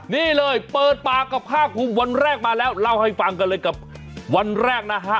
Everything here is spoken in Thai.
นี่เลยเปิดปากกับภาคภูมิวันแรกมาแล้วเล่าให้ฟังกันเลยกับวันแรกนะฮะ